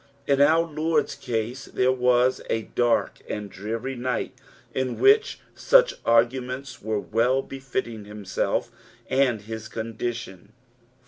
In our Lord's case there was a dark and dreary night in which such arguments were well befitting himself and his condition.